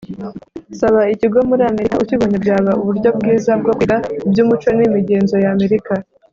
Saba ikigo muri Amerika ukibonye byaba uburyo bwiza bwo kwiga iby’umuco n’imigenzo y’Amerika